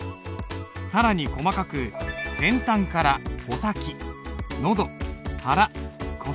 更に細かく先端から穂先のど腹腰と呼ばれる。